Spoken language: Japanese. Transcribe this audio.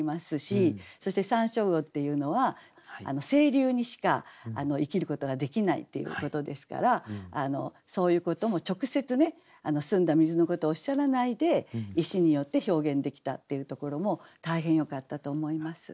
そして山椒魚っていうのは清流にしか生きることができないっていうことですからそういうことも直接ね澄んだ水のことおっしゃらないで「石」によって表現できたっていうところも大変よかったと思います。